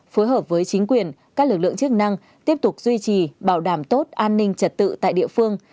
phối hợp với chính quyền các lực lượng chức năng tiếp tục duy trì bảo đảm tốt an ninh trật tự tại địa phương